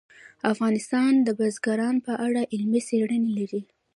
افغانستان د بزګان په اړه علمي څېړنې لري.